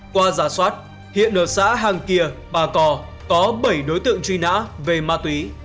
qua giả soát hiện ở xã hàng kia bà cò có bảy đối tượng truy nã về ma túy